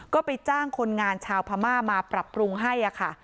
ก็ไปจ้างคนงานชาวพม่ามาปรับปรุงให้ค่ะ